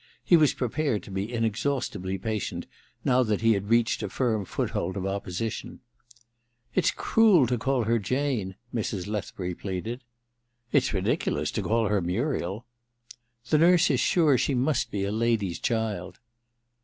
He was prepared to be inexhaustibly patient now that he had reached a firm foothold of opposition. 17a Ill THE MISSION OF JANE 173 * It's cruel to call her Jane/ Mrs. Lethbury pleaded. ^ It's ridiculous to call her Muriel.' *The nurse is sure she must be a lady's child.'